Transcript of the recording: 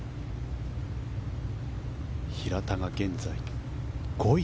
平田が現在５位